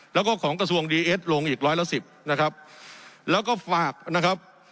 แล้วก็ของกระทรวงดีเอสลงอีกร้อยละสิบนะครับแล้วก็ฝากนะครับ